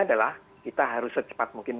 adalah kita harus secepat mungkin